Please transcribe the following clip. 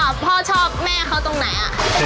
พ่อพ่อชอบแม่เขาตรงไหนอะ